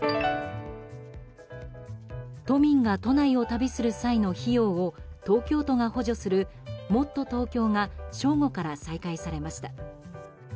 都民が都内を旅する際の費用を東京都が補助するもっとＴｏｋｙｏが正午から再開されました。